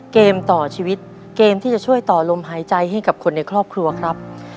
เกมต่อชีวิตเกมที่จะช่วยต่อลมหายใจให้กับคนในครอบครัวครับ